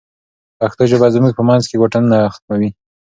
پښتو ژبه زموږ په منځ کې واټنونه ختموي.